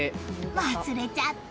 忘れちゃった！